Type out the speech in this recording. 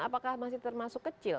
apakah masih termasuk kecil